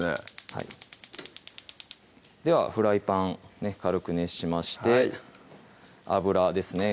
はいではフライパン軽く熱しまして油ですね